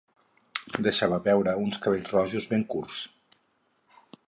Deixava veure uns cabells rojos ben curts.